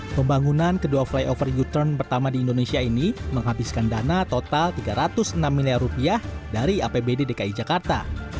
pembangunan kedua flyover u turn pertama di indonesia ini menghabiskan dana total tiga ratus enam miliar rupiah dari apbd dki jakarta